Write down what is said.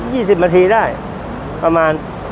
เจ้าหน้าที่สำรวจจะจับกันกี่คน